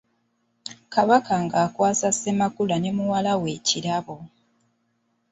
Kabaka ng’akwasa Ssemakula ne muwala we ekirabo.